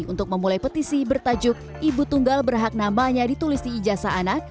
untuk memulai petisi bertajuk ibu tunggal berhak namanya ditulis di ijazah anak